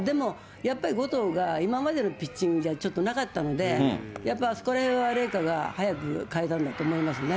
やっぱり後藤が今までのピッチングじゃちょっとなかったので、あそこは麗華が早く替えたんだと思いますね。